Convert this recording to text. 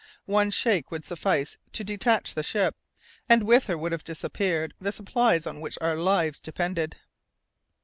One shake would suffice to detach the ship, and with her would have disappeared the supplies on which our lives depended.